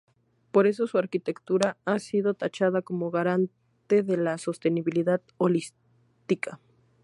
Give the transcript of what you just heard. Por eso su arquitectura ha sido tachada como garante de la sostenibilidad holística.